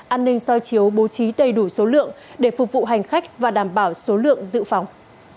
an ninh soi chiếu bố trí đầy đủ số lượng để phục vụ hành khách và đảm bảo số lượng dự phòng